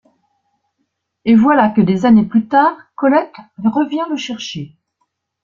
Et voilà que des années plus tard, Colette revient le chercher.